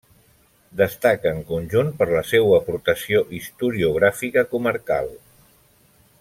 Destaca en conjunt per la seua aportació historiogràfica comarcal.